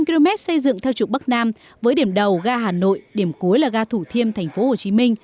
với một sáu trăm linh km xây dựng theo trục bắc nam với điểm đầu gà hà nội điểm cuối là gà thủ thiêm tp hcm